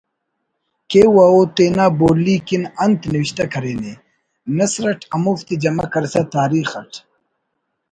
کیو و اوتینا بولی کن انت نوشتہ کرینے نثر اٹ ہموفتے جمع کرسہ تاریخ اٹ